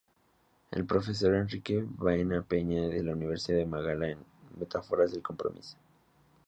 El profesor Enrique Baena Peña de la Universidad de Málaga en "Metáforas del compromiso.